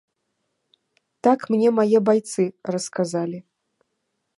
Так мне мае байцы расказалі.